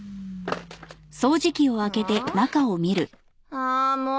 ああもう。